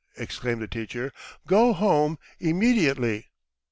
exclaimed the teacher; "go home immediately!"